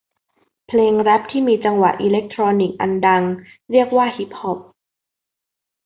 เพลงแร็พที่มีจังหวะอิเล็กทรอนิกส์อันดังเรียกว่าฮิปฮอป